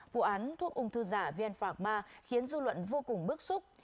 vụ án thuốc ung thư giả venpharma khiến du luận vô cùng bức xúc